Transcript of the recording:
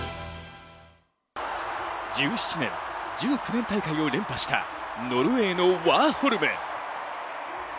１７年、１９年大会を連覇したノルウェーのワーホルム。